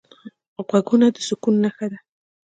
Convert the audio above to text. غوږونه د سکون نښه ده